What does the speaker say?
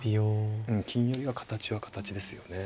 うん金寄りは形は形ですよね。